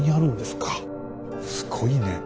すごいね。